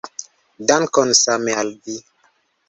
Dankon, same al vi!